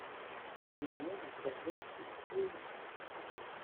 De leur union naquirent deux fils et une fille.